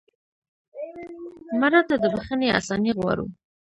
مړه ته د بښنې آساني غواړو